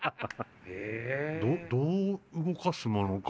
どう動かすものか。